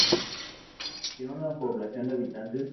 Tiene una población de hab.